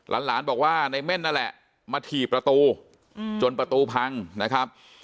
หลานบอกว่าในเม่นนั่นแหละมาถี่ประตูจนประตูพังนะครับ